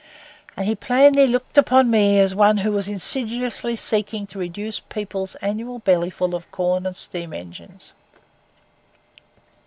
And he plainly looked upon me as one who was insidiously seeking to reduce the people's annual bellyful of corn and steam engines.